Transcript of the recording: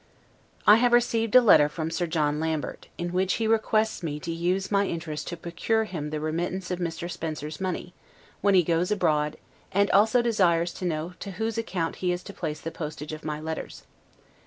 I have received a letter from Sir John Lambert, in which he requests me to use my interest to procure him the remittance of Mr. Spencer's money, when he goes abroad and also desires to know to whose account he is to place the postage of my letters.